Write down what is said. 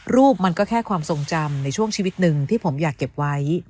รูปมันก็แค่ความทรงจำในช่วงชีวิตหนึ่งที่ผมอยากเก็บไว้